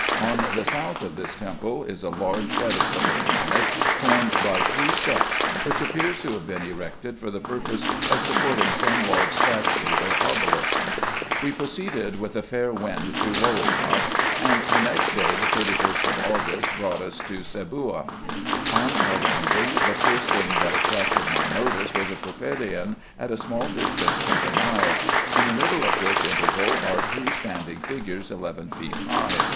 On the south of this temple is a large pedestal of granite, formed by three steps, which appears to have been erected for the purpose of supporting some large statue or obelisk. 74 RESEARCHES AND OPERATIONS We proceeded with a fair wind to Wowobat ; and the next day, the 31st of August, brought us to Seboua. On our landing, the first thing that attracted my notice was a propylaeon, at a small distance from the Nile ; in the middle of which interval are two standing figures eleven feet high.